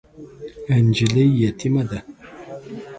نجلۍ یتیمه ده .